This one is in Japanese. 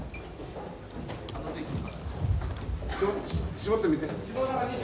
絞ってみて。